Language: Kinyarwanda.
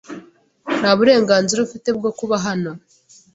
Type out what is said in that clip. Nta burenganzira ufite bwo kuba hano.